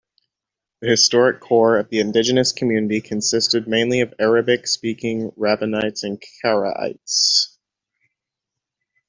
The historic core of the indigenous community consisted mainly of Arabic-speaking Rabbanites and Karaites.